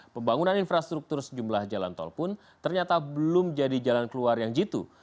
pembangunan infrastruktur sejumlah jalan tol pun ternyata belum jadi jalan keluar yang jitu